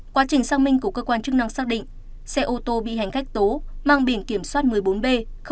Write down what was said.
quá trình xác minh của cơ quan chức năng xác định xe ô tô bị hành khách tố mang biển kiểm soát một mươi bốn b bốn nghìn hai trăm bảy mươi tám